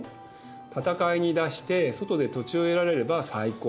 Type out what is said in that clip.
戦いに出して外で土地を得られれば最高。